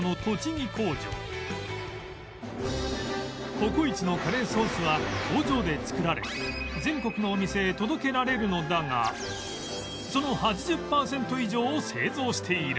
ココイチのカレーソースは工場で作られ全国のお店へ届けられるのだがその８０パーセント以上を製造している